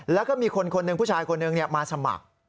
แล้วก็มีผู้ชายคนหนึ่งมาสมัคร